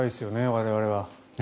我々は。